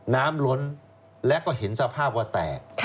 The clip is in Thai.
ล้นและก็เห็นสภาพว่าแตก